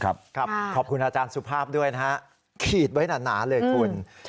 ขอบคุณอาจารย์สุภาพด้วยนะฮะขีดไว้หนาเลยคุณ